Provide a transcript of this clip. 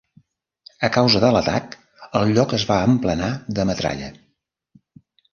A causa de l'atac, el lloc es va emplenar de metralla.